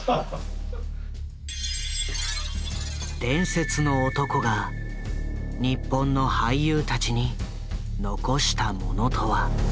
伝説の男が日本の俳優たちに残したものとは。